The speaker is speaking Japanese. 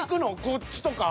こっちとか？